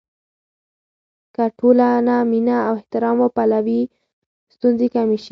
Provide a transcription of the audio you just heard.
که ټولنه مینه او احترام وپلوي، ستونزې کمې شي.